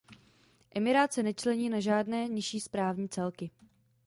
Emirát se nečlení na žádné nižší správní celky.